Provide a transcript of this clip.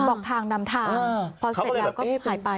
พอเสร็จแล้วก็หายไป